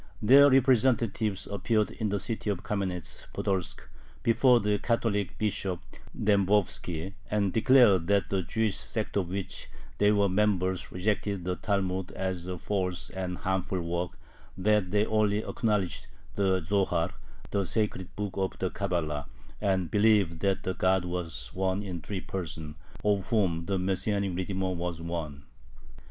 Their representatives appeared in the city of Kamenetz Podolsk before the Catholic Bishop Dembovski, and declared that the Jewish sect of which they were members rejected the Talmud as a false and harmful work, that they only acknowledged the Zohar, the sacred book of the Cabala, and believed that God was one in three persons, of whom the Messianic Redeemer was one.